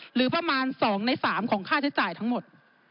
หรือประมาณ๒ใน๓ของค่าใช้จ่ายทั้งหมด